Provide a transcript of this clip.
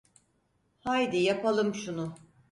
Haydi yapalım şunu.